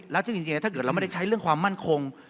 แล้วซึ่งจริงถ้าเกิดเราไม่ได้ใช้เรื่องความมั่นคง